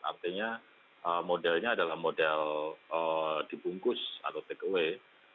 artinya modelnya adalah model dibungkus atau take away